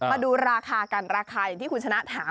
มาดูราคากันราคาอย่างที่คุณชนะถาม